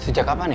sejak kapan ya